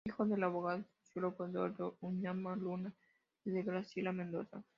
Fue hijo del abogado y sociólogo Eduardo Umaña Luna y de Graciela Mendoza.